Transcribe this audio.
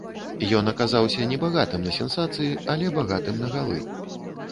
Ён аказаўся небагатым на сенсацыі, але багатым на галы.